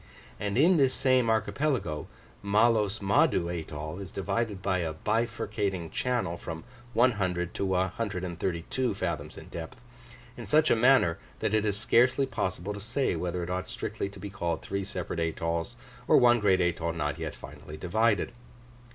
And in this same archipelago, Mahlos Mahdoo atoll is divided by a bifurcating channel from 100 to 132 fathoms in depth, in such a manner, that it is scarcely possible to say whether it ought strictly to be called three separate atolls, or one great atoll not yet finally divided.